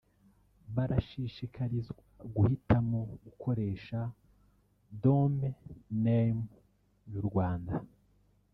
barashishikarizwa guhitamo gukoresha “domain name y’u Rwanda (